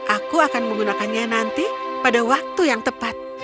aku akan menggunakannya nanti pada waktu yang tepat